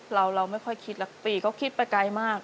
เราไม่ค่อยคิดหรอกปีเขาคิดไปไกลมาก